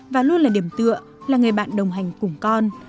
và luôn là điểm tựa là người bạn đồng hành cùng con